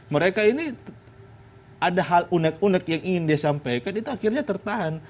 mereka ini ada hal unek unek yang ingin dia sampaikan itu akhirnya tertahan